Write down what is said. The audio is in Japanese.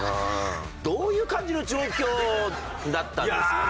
どういう感じの状況だったんですかね？